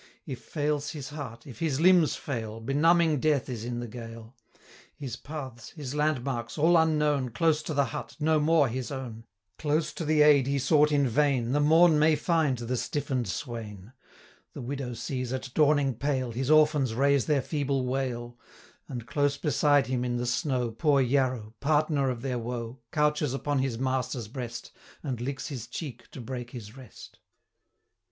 85 If fails his heart, if his limbs fail, Benumbing death is in the gale; His paths, his landmarks, all unknown, Close to the hut, no more his own, Close to the aid he sought in vain, 90 The morn may find the stiffen'd swain: The widow sees, at dawning pale, His orphans raise their feeble wail; And, close beside him, in the snow, Poor Yarrow, partner of their woe, 95 Couches upon his master's breast, And licks his cheek to break his rest.